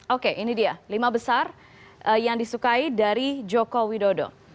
oke ini dia lima besar yang disukai dari joko widodo